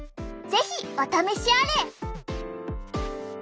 是非お試しあれ！